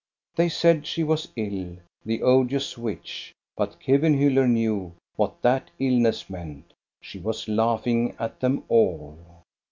They said she was ill, the odious witch; but Kevenhiiller knew what that illness meant. She was laughing at them all.